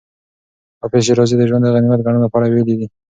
حافظ شېرازي د ژوند د غنیمت ګڼلو په اړه ویلي دي.